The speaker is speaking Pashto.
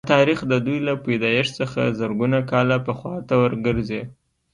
دا تاریخ د دوی له پیدایښت څخه زرګونه کاله پخوا ته ورګرځي